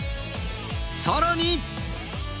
さらに。